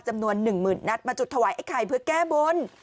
จำนวน๑๐๐๐นัดมาจุดถวายไอ้ไข่เพื่อแก้บน